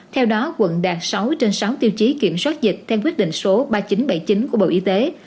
theo đó quận đạt sáu trên sáu tiêu chí kiểm soát dịch theo quyết định số ba nghìn chín trăm bảy mươi chín của bộ y tế